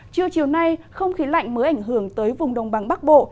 trưa chiều nay không khí lạnh mới ảnh hưởng tới vùng đông bằng bắc bộ